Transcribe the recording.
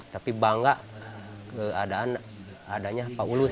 tapi bangga keadaannya pak ulus